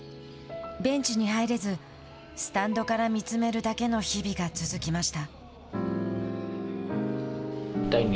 ベンチに入れずスタンドから見つめるだけの日々が続きました。